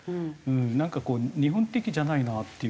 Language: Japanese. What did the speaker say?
なんかこう日本的じゃないなっていう気がする。